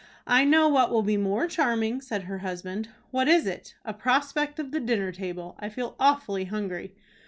"I know what will be more charming," said her husband. "What is it?" "A prospect of the dinner table. I feel awfully hungry."